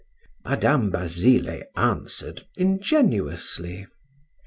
Madam Basile answered ingenuously.